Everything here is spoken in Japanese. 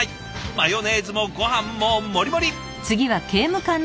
マヨネーズもごはんも盛り盛り！